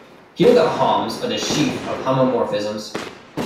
Here the "Hom"'s are the sheaf of homomorphisms.